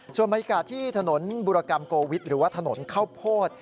ส่วนบรรยากาศที่ถนนบุรกรรมโกวิทหรือว่าถนนข้าวโพด